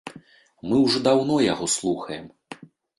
Мы ўжо даўно яго слухаем.